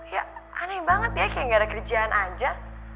ya aneh banget ya kayak gak ada kerjaan aja